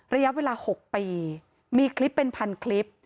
ระยะเวลา๖ปีมีคลิปเป็นพันคลิป